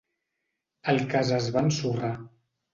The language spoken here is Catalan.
El cas es va ensorrar.